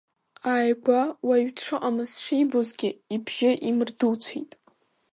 Ааигәа уаҩ дшыҟамыз шибозгьы, ибжьы имырдуцәеит.